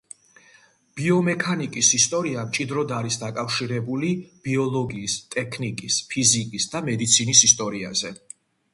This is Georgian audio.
ბიომექანიკის ისტორია მჭიდროდ არის დაკავშირებული ბიოლოგიის, ტექნიკის, ფიზიკის და მედიცინის ისტორიაზე.